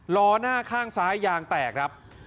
ล้อหน้าข้างซ้ายยางแตกครับ